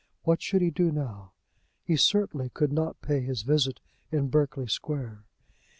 What should he do now? He certainly could not pay his visit in Berkeley Square.